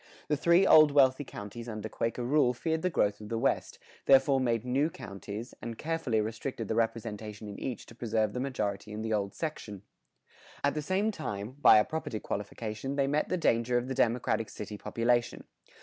[112:5] The three old wealthy counties under Quaker rule feared the growth of the West, therefore made few new counties, and carefully restricted the representation in each to preserve the majority in the old section. At the same time, by a property qualification they met the danger of the democratic city population.